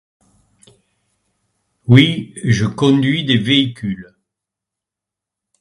Oui je conduis des véhicules.